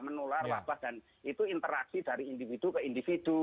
menular wabah dan itu interaksi dari individu ke individu